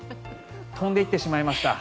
飛んで行ってしまいました。